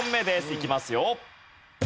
いきますよ。